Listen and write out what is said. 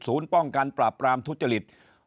ศูนย์ป้องกันปราบปรามทุจจลิต